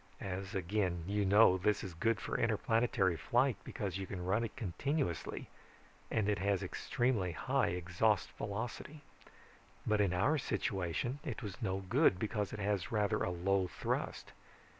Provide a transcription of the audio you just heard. As again you know, this is good for interplanetary flight because you can run it continuously and it has extremely high exhaust velocity. But in our situation it was no good because it has rather a low thrust.